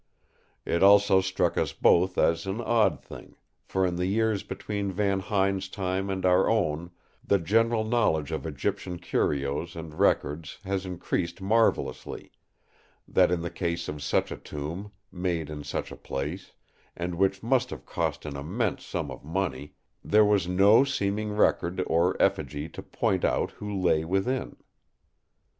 It also struck us both as an odd thing—for in the years between Van Huyn's time and our own the general knowledge of Egyptian curios and records has increased marvellously—that in the case of such a tomb, made in such a place, and which must have cost an immense sum of money, there was no seeming record or effigy to point out who lay within.